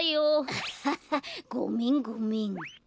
アハハごめんごめん。